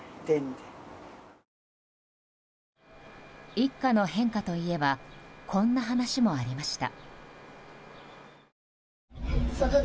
一家の変化といえばこんな話もありました。